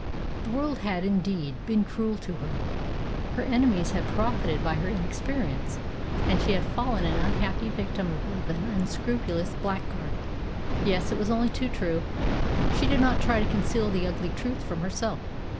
The world had, indeed, been cruel to her. Her enemies had profited by her inexperience, and she had fallen an unhappy victim of an unscrupulous blackguard. Yes, it was only too true. She did not try to conceal the ugly truth from herself.